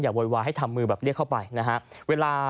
โวยวายให้ทำมือแบบเรียกเข้าไปนะฮะ